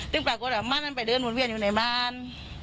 ซึ่งปรากฏว่ามันไปเดินหุ่นเวียนอยู่ในบ้าน